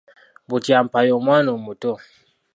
Butyampa y’omwana omuto.